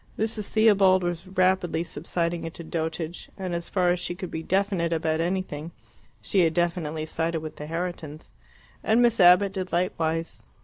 Mrs. Theobald was rapidly subsiding into dotage, and, as far as she could be definite about anything, had definitely sided with the Herritons. And Miss Abbott did likewise.